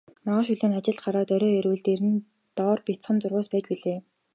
Маргааш өглөө нь ажилд гараад орой ирвэл дэрэн доор бяцхан зурвас байж билээ.